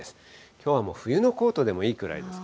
きょうは冬のコートでもいいくらいです。